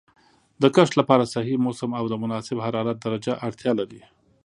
د کښت لپاره صحیح موسم او د مناسب حرارت درجه اړتیا لري.